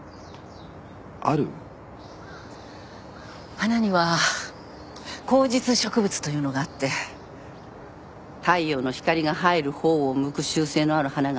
花には向日植物というのがあって太陽の光が入る方を向く習性のある花があるんです。